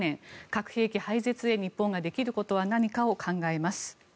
核兵器廃絶へ日本ができることは何かを考えます。